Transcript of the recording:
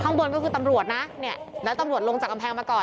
ข้างบนก็คือตำรวจนะเนี่ยแล้วตำรวจลงจากกำแพงมาก่อน